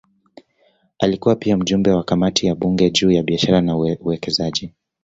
Alikuwa pia mjumbe wa kamati ya bunge juu ya biashara na uwekezaji.